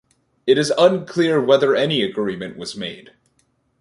It is unclear whether any agreement was made.